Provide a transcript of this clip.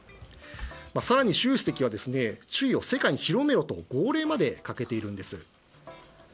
更に、習主席は中医を世界に広めよと号令までかけているんです。